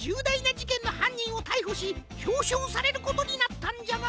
じけんのはんにんをたいほしひょうしょうされることになったんじゃが。